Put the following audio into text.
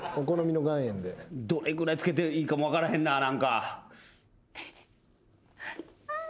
どれぐらいつけていいかも分からへんな何か。